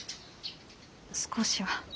少しは。